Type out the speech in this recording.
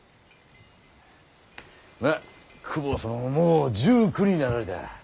まあ公方様ももう１９になられた。